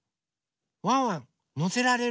ワンワンのせられる？